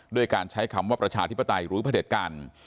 ด้วยการใช้คำว่าประชาธิปไตรหรือเผริษการ